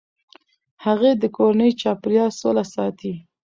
هغې د کورني چاپیریال سوله ساتي.